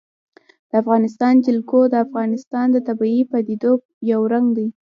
د افغانستان جلکو د افغانستان د طبیعي پدیدو یو رنګ دی.